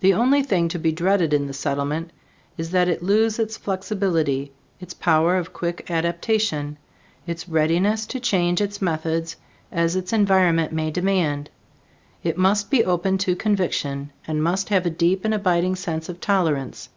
The only thing to be dreaded in the Settlement is that it lose its flexibility, its power of quick adaptation, its readiness to change its methods as its environment may demand. It must be open to conviction and must have a deep and abiding sense of tolerance.